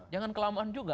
jangan kelamaan juga